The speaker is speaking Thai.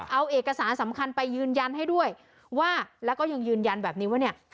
เอาเอกสารสำคัญไปยืนยันให้ด้วยว่าแล้วก็ยังยืนยันแบบนี้ว่าเนี่ย